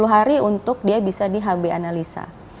satu ratus dua puluh hari untuk dia bisa di hb analisa